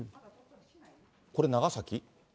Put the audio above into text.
これ、長崎？